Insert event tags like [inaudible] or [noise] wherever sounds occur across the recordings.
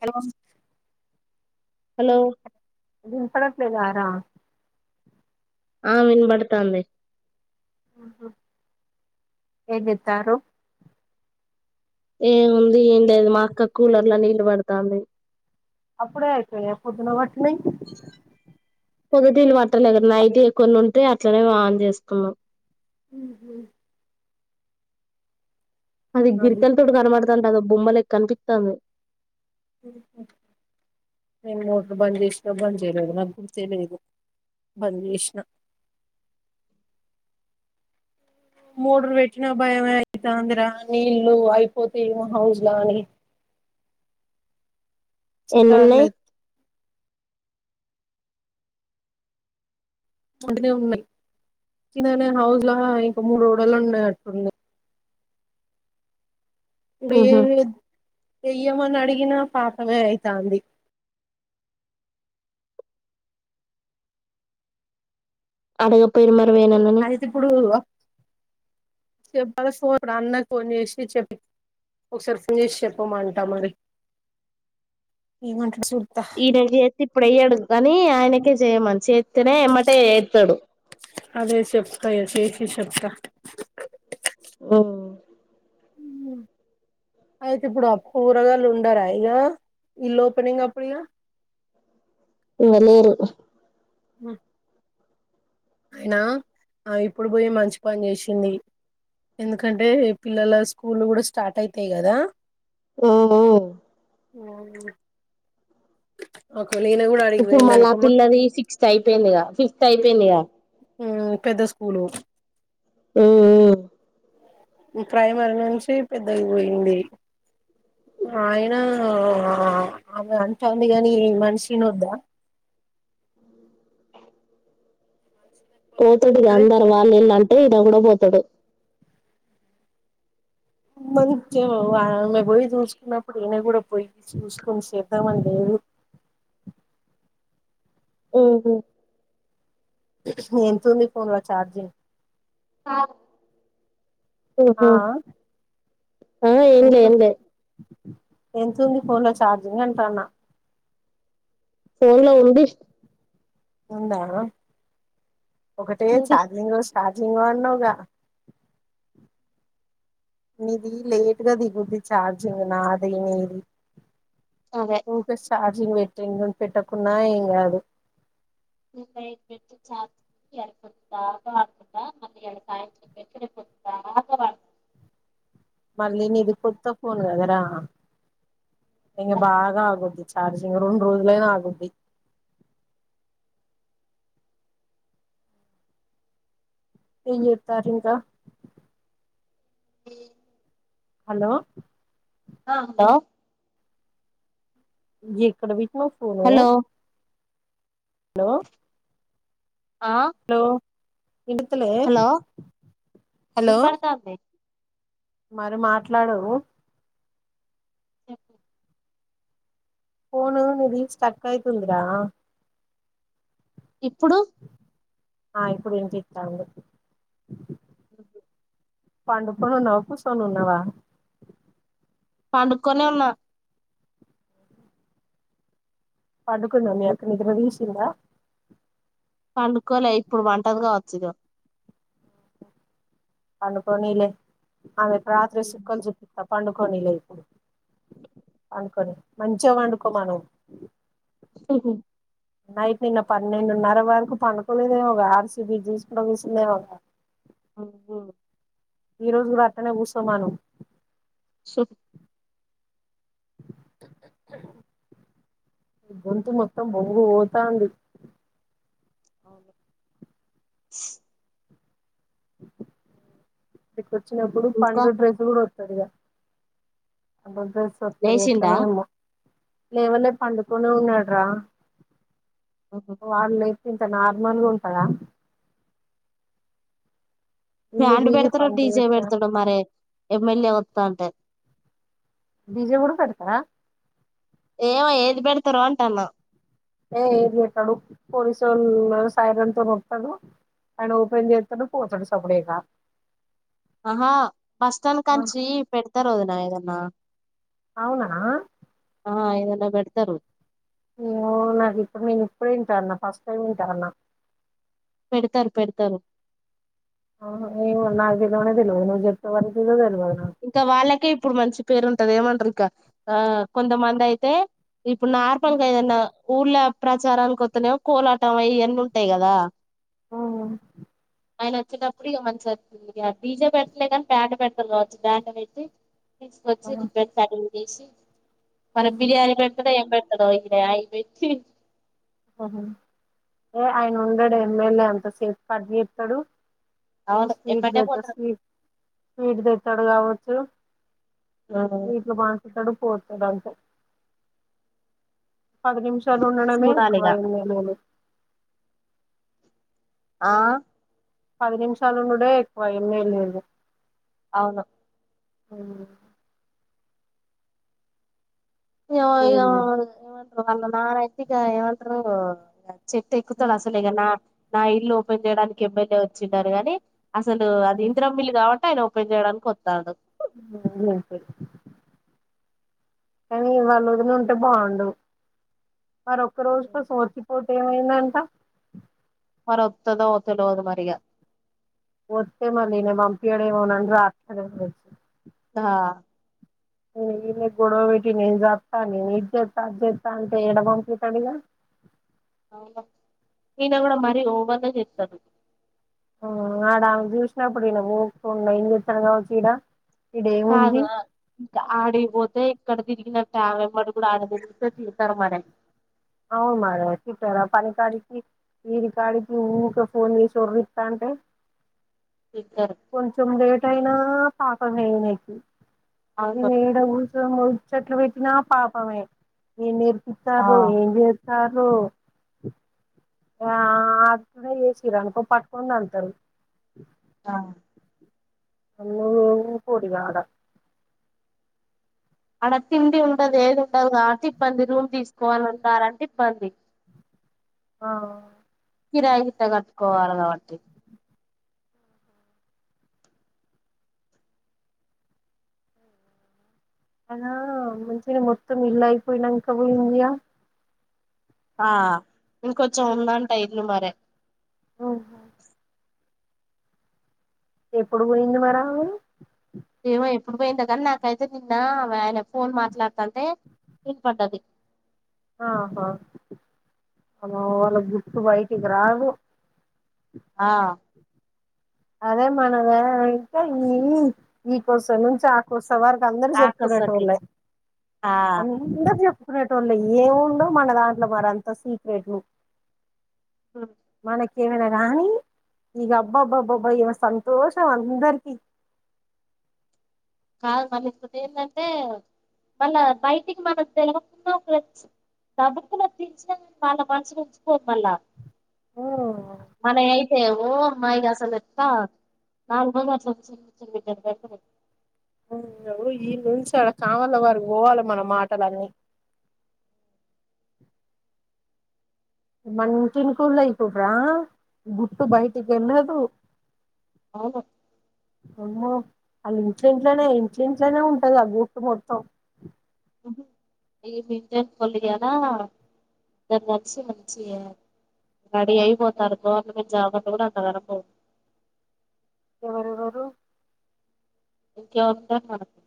Hello వం hello దుంపల fry ఆరా ఆ వినబడుతాంది ఏదితారు ఏముంది ఏం లేదు మా అక్క కూలర్ల నీళ్ళు పడుతోంది అప్పుడే అయిపోయిన పొద్దున పట్ని పొదదీళ్ళు పట్టలే కా నైట్ కొన్ని ఉంటే అట్లనే వాన్ చేసుకున్నాం మ్ హ అది అవి గిరికల్ తొడుగానబడత వద్దంటాను బొమ్మలే కనిపిత్తను నేను మోటర్ బంద్ చేసినా బంద్ చేయలేదు నాకు గుర్ తె లేదు బంద్ చేసినా మోడరు పెట్టిన భయమే అయితాంద్రాత నీళ్ళ అయిపోతాయమో హౌజ్ లా అని చక్క ఆగల ఎన్నున్నాయి యిత్ వంటనే ఉన్నాయినే హౌజ్ లా ఇంకా మూడు రోడలు ఉన్నాయ అట్ంది ఇప్పుడు ఉహు ఏమి వద్ వెయ్యమని అడిగినా ఈ నా పాపమే అయితంది అడగపోయమర్ అయితే ఇప్పుడు చెప్పాలా ఫోన్ అన్న ఫోన్ చేసి చెప్పి ఒకసారి ఫోన్ చేసి చెప్పమ అంటాం మరి ఏం అంటాడో చూద్ ఈయన చేసి ఇప్పుడు అయ్యాడు కానీ ఆయన చిత్ కి చేయమన్ చేతికి తినే ఎమ్మటే ఏ త్తడు ఎక్క ఆ అయితే ఇప్పుడు కూరగాయలు ఉండరా ఇక ఇల్లు ఓపెనింగ్ అప్పుడుక వాళ్ళు లేరు ఆ అయినా ఇప్పుడు పోయి మంచి పని చేసింది ఎందుకంటే పిల్లల స్కూల్ కూడా స్టార్ట్ అయితాయి కదా ఓ ఓ ఇప్పుడు మళ్ళా పిల్లది సిక్స్త్ అయిపోయింది కద ఫిఫ్త్ అయిపోయిందిగా పెద్ద స్కూలు ఆ ప్రైమర్ నుంచి పెద్దలు పోయింది ఆయన ఆమె అంటంది కాని మనిషిని వద్దా మనిషి లేకపోతే పోతుడిగా ఎట్లుంటది అందరు వాళ్ళ ఎలా అంట ఏద కూడాడ పోతాడు మంచిగా ఆమె పోయి చూసుకున్నప్పుడు ఈయన కూడా పోయి చూసుకొని చేద్దామని లేదు ఆహ ఎంతంది ఫోన్ లో ఛార్జింగ్ ఆ ఆ ఆ ఏం ఎంత చేయనులే ఫన్ లో చార్జింగ్ంటన్నా ఫోన్ లో ఉంది ఉందా ఒకటే ఉంది చార్లింగ్ స్టార్ట్ జింగ్ అన్నావుగా ఇది లేట్గా దిగుద్ది చార్జింగ్ నది మీది దీంట్లో సార్ పెట్టిని పెట్టకున్నా ఏం కాదు ము పెట్ ఎా ఆడుతుంటా మళీ ఎడ సాయంత పెట్తు ఆగా వాడుతుంది మళ్ళీ నీది కొత్త ఫోన్ కదరా ఇంకా బాగా అగుద్ది చార్జింగ్ రెండు రోజులనా ఆగుద్ది ఏం చేస్తారు ఇంకా ఈ హలో ఆ హలో ఎక్కడ స్ ఫోను హలో హలో ఆ హలో ఇతులే హలో హలో వినపడతాంది మరి మాట్లాడు చెప్పు పోను నది స్టక్యతుందిరాా ఇప్పుడు ఆ ఇప్పుడు ఇంంటి ఇస్తాండి అఓ పండుకొని ఉన్నావా కుసోనిఉన్నవా పండుగక్కనే ఉన్నా పడుకున్నాను అక్క నిదిర వషింద పండుకోవలే ఇప్పుడు వంటది కావ చ్చగా అన్నుకోనిలే ఆమెే రాత్రి సిక్కం జిప్ప తప్ప పండుకని లే ఇప్పుడు పండుకొని మంచిగా పండుకో మనం హు హు నైట్ నిన్న పన్నెండున్నర వరకు పండుకోలేదేమో ఆర్సిబి తీసుకు వసిందేమో ఒక అబ్బో ఈ రోజు కూడా అతనే కూస్తోమాను సో గొంతు మొత్తం బంగు పోతోంది అవును [inaudible] వచ్చినప్పుడు ఇంకా పండు డ్రెస్ కూడా సరిగా అ అ సత్తరి ఎట్లా లేచిండా నో ఏమో లేవలే పండుకొనే ఉన్నాడు రా వాళ్లే ఇంత నార్మల్ గా ఉంటద ఇల్లు బ్యాండ్ బీగి పెడతాడో పంట డీజే చేస్తాడు పెడతాడో మరి ఎమ్మెల్యే స్టంట్ డిజే కూడా పెడతారా ఏమో ఏది పెడతారో అంటున్న ఏ ఏది పేటడు పోలీసుల సైరన్ తో వస్తాడు ఆయన ఓపెన్ చేస్తాడు పోతాడు సప్పుడు లేక ఆహా బస్ స్టాప్ కంచి పెడతారో ఏదైనా అవునా ఆ ఏమైనా పెడతారు ఏమో నాకు ఇప్పుడు నేను ఇప్పుడే వింటున్నా ఫస్ట్ టైమ్ వింటున్నా పెడతారు పెడతారు అవును ఏమో నాకు తెల్వనే తెల్వదు నువు చపే వరకి కూడా తెల్వ ఇంకా వాళ్ళకే ఇప్పుడు మంచి పేరుంటది ఏమంటారు ఇంకా ఆ కొంతమంది అయితే ఇప్పుడు నార్మల్గా ఏదన్న ఊర్ల ప్రచారానికి పోతేనేమో కోలాటం అయి అన్నీ ఉంటాయి కదా హ ఆయన అచ్చేటప్పుడు ఇగ మంచిగా డిజే పెట్టలే కానీ బాండ్ పెడతారు కా బాండ్ పెట్టి తీసుకొచ్చి పెడతారు ఏసీ మరి బిర్యానీ పెడతాడో ఏం పెడత [unintelligible] పెట్టి ఆహ ఏ ఆయన ఉండడు ఎమ్మెల్యే అంత సేపు కట్ జెత్తడు ఓ అవును స్వీట్ ఎమ్మటే పెడతార్ పోతారు స్వీట్ స్వీట్ పెడ్ పోడుగావచ్చు ఆ, ఎట్లా పండుకుంటాడు పోతడాంట పది నిమిషాలు ఉండడమే ఎక్కువ చూడాలిగా ఏమ్ ఎల్ ఏ లు ఆ పది నిమిషాలు ఉండుడే ఎక్కువ ఏమ్ ఎల్ ఏ లు అవును అవున [unintelligible] వాళ్ళ నాన్న అయితే ఇగ ఏమంటారు చెట్టు ఎక్కుతాడు అస్సలే ఇగా నా నా ఇల్లు ఓపెన్ చేయడానికి ఎమ్మెల్యే వచ్చిండ ని గాని అసలు అది ఇందిరమ్మ ఇల్లు కాబట్టి ఆయన ఓ పెన్ చేయడానికి వస్తండు [unintelligible] కానీ ఇవళ వదినా ఉంటే బాగుండు ఆర ఒక్క రోజు కోసం వచ్చి పో ఏమైందంట మరీ ఒత్తదొ తెలువదు మరిగా ఒత్తె మళ్ళీ ఇంగా పంపియడేమోనాని రావా హా ఉ ఈ గొడవ పెట్టి నేను చస్తా నేను ఇది చేస్తా అది చేస్తా అంటే ఎడ పంపితడుడిగా అవునా నేన కూడా మరీ ఓ వంద చెస్తాను ఆడా చ్యూషినప్పుడు ఇగ పోకుండా ఏంచేస్తాడు కావచ్చు ఇగ కాదు ఆడి కి పోతే ఇక్కడ తిరిగిన టామెమ్మడు కూడా ఆడ తిరిగిస్తే తిడతాడు మరి అవును మరి వచ్చింటారా పని కాడికి వరి కాడకి ఊక ఫోన్ చేసి ఓర్లుతాంటే తిడతారు కొంచెం లేట్ అయినా ఆ పాకకి నేనేకి అవునా ముడిచేట్లు పెట్టినా పాపమే ఈ నీరు ఆ ఇత్తారు ఏం చేస్ తారు ఆ ఆ ఆ అది చేసిర్రు అనుకో పట్టుకొని తంతారు అవును [unintelligible] ఇంకోటి కావాలా అడ తిండి ఉండదు ఏది ఉండదు కాబట్టి ఇబ్బంది రూమ్ తీసుకోవాల ఉంటారంటే ఇబ్బంది ఆ కిరాయి గింత కట్టుకోవాల కాబట్టి అనా మంచిగా మొత్తం ఇల్లు అయిపోయినాంక పోయిందిగా ఆ ఇంకొంచెం ఉందంట ఇండ్లు మరి ఎప్పుడు పోయింది మరి ఆమె ఏమో ఎప్పుడు పోయింది కానీ నాకైతే నిన్న ఆమె ఆయన ఫోన్ మాట్లాడుతంటే వినపడ్డది ఆహా అ వాళ్ళ గుట్టు బయటికి రాదు ఆ అదే మనమే అయితే ఇ ఈకోస నుంచి ఆ కోస స వారికి అందరికి ఆకసకి చెప్పుకునేటోళ్ళే ఆ అందరు చెప్పు చెప్పుకునేటోల్లై ఏముందో మన దాంట్లో మరి అంత సీక్రెట్లు హ ఏవేనా గాణి ఈగ అబ్బబ్బబ్బ బ్బ ఈగా సంతోషం అందరికి కాదు మళ్ళ ఇప్పుటి ఏంటంటే మళ్ళా బయటికి మనం తెలువకున్న దబుక్కున వాళ్ళ మనసులు ఉంచుకో మళ్ళా మన ఏ ఏమో అమ్మాయి అసలు ఎట్టా నాలు మ అట్ల అయ్యో ఈ నుంచి అ సామాళ్ళ వరకూ పోవాలి మన మాటలన్నీ మన ఇంటినికెళ్ళు అయితుట్రా గుట్టు బయటికి వెళ్ళదు. ఆవును ఆమ్మో వాళ్ళ ఇంటింట్లోనే ఇంటింట్లోనే ఉంటదాగా గుట్టు మొత్తం ఇంటినాకళ్ళు ఇయ్యాలా ఇద్దరు కలిసి మంచిగా రెడీ అయిపోతారు. గవర్నమెంట్ జాబర్లు కూడా అంతగానం పోరు ఎవరెవరు ఇంకెవరుంటారు. మనకు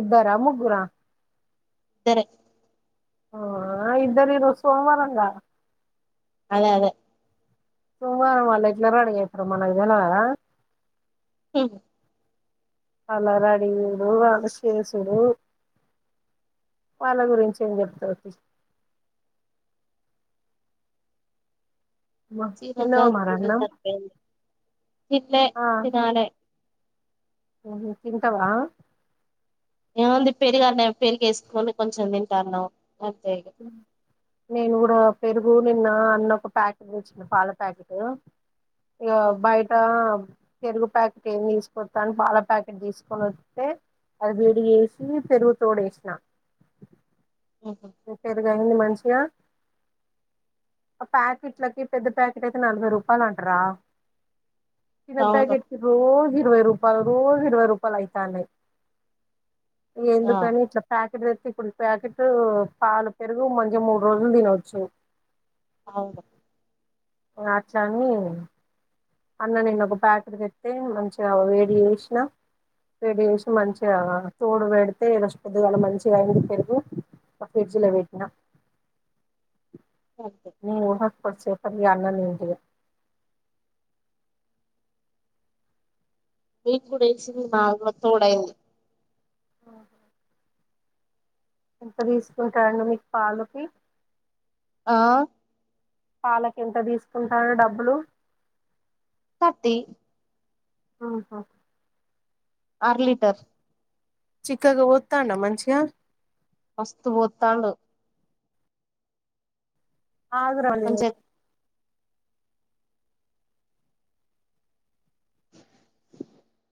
ఇద్దారా ముగ్గురా ఇద్దరే ఆ ఇద్దరి ఈరోజు సోమవారంగా అదే అదే సోమవారం వాళ్ళు ఎట్లా రెడీ అవుతారో మనకు తెలువదా. ఉహు వాళ్ళ రడిగుడు, వాళ్ళ శేసుడు, వాళ్ళ గురించి ఏం చెప్తవ్ తీ, చీరలు తిన్నావా మరి సదురుకునుడే అన్నం సరిపోయింది తిన్లే తినాలె ఓహ్ తింటావా ఏముంది, పెరుగున్నామే పెరుగు వేసుకొని కొంచెం తింటాన్నాం అంతేగా నేను కూడా పెరుగు నిన్న అన్న ఒక ప్యాకెట్ తెచ్చినా పాల ప్యాకెటు ఇగా బయటా పెరుగు ప్యాకెట్ ఏమి తీసుకొస్తాను పాల ప్యాకెట్ తీసుకొని వస్తే అది వేడి వేసి పెరుగు తోడేసినా అవును పెరుగయింది మంచిగా ప్యాకెట్లకి పెద్ద ప్యాకెట్ అయితే నలభై రూపాయలు అంటరా చిన్న ప్యాకెట్కి రోజు ఇరవై రూపాయలు రోజు ఇరవై రూపాయలు ఐ యితానాయి ఆ ఎందుకని ఇట్లా ఫ్యాక్ ప్రెస్ఫుల్ ఫ్యాకెట్ పాలు పెరుగు మంచి మూడు రోజులు తినవచ్చు అవును నాచా మీ అన్న నిు ఒక ప్యాకెట్ పెత్తే మంచిగా వేడి చేేసిన వేడి చేేసి మంచిగా తోడు పెడితే ఇలా పెద్దు అలా మంచిగా అ పెరుగు ఒక ఫ్రిడ్జి లో పెట్టినా అంతే ని ఊహ కొసేక్కని అనం తింటా ఇగ మీన్ కూడాడసింది బాగా తోడై ఆ ఎంత తీసుకుంటారండి మీకు పాలకి ఆ పాలకి ఎంత తీసుకుంటారు డబ్బులు థర్టీ ఆహ ఆర లీటర్ చిక్కగా వోతండా మంచిగా మస్తు పోతాండు ఆగు రాని మంచిగా